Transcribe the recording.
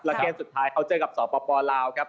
เกมสุดท้ายเขาเจอกับสปลาวครับ